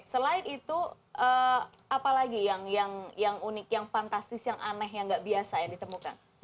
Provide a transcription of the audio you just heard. selain itu apalagi yang unik yang fantastis yang aneh yang nggak biasa ya ditemukan